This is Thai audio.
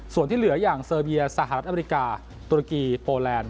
ส่วนที่เหลืออย่างเซอร์เบียสหรัฐอเมริกาตุรกีโปแลนด์